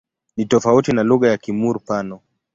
Ni tofauti na lugha ya Kimur-Pano.